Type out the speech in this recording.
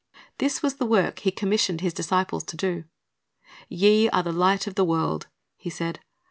"^ This was the work He commissioned His disciples to do. "Ye are the light of the world," He said.